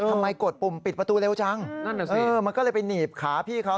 กดปุ่มปิดประตูเร็วจังนั่นแหละสิมันก็เลยไปหนีบขาพี่เขา